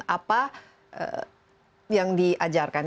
apa yang diajarkan